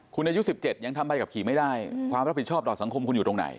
คุณอายุ๑๗ยังทำใบขับขี่ไม่ได้ความรับผิดชอบต่อสังคมคุณอยู่ตรงไหน